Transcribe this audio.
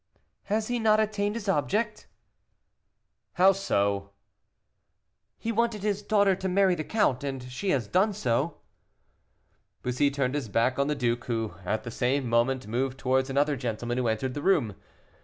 "Has he not attained his object?" "How so?" "He wanted his daughter to marry the count, and she has done so." Bussy turned his back on the duke, who, at the same moment, moved towards another gentleman who entered the room.